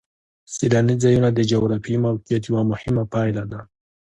سیلاني ځایونه د جغرافیایي موقیعت یوه مهمه پایله ده.